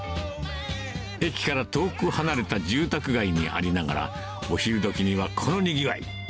駅から遠く離れた住宅街にありながら、お昼どきにはこのにぎわい。